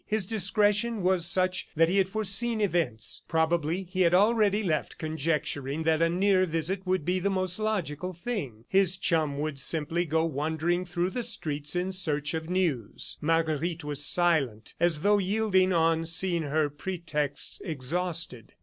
His discretion was such that he had foreseen events. Probably he had already left, conjecturing that a near visit would be the most logical thing. His chum would simply go wandering through the streets in search of news. Marguerite was silent, as though yielding on seeing her pretexts exhausted.